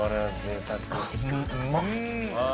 うまっ！